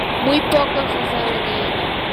Muy poco se sabe de ella.